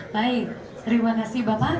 baik terima kasih bapak